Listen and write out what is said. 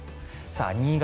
新潟